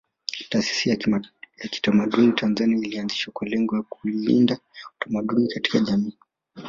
Taasisi ya kitamaduni Tanzania ilianzishwa kwa lengo la kuulinda utamaduni katika jamii